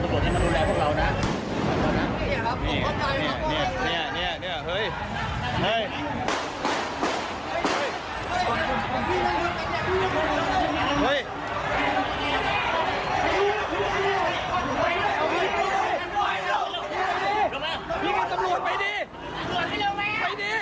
ปิ้งสำรวจตัวไว้ดีมิกลุ่นไว้ดี